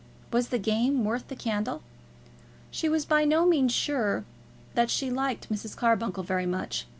Was the game worth the candle? She was by no means sure that she liked Mrs. Carbuncle very much.